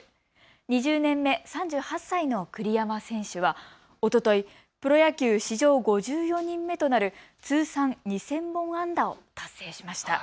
２０年目、３８歳の栗山選手はおととい、プロ野球史上５４人目となる通算２０００本安打を達成しました。